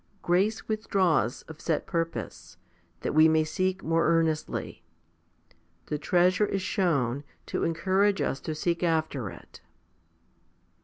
Grace withdraws of set purpose, that we may seek more earnestly. The treasure is shown, to encourage us to seek after it.